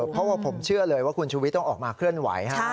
เพราะว่าผมเชื่อเลยว่าคุณชูวิทย์ต้องออกมาเคลื่อนไหว